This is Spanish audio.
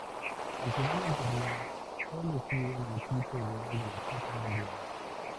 Al final del torneo, fue elegido en el equipo ideal de la "Copa Mundial".